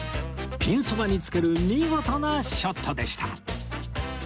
ピンそばにつける見事なショットでした